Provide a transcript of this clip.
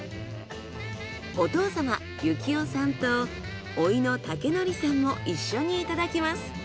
お父様幸雄さんと甥の武哲さんも一緒にいただきます。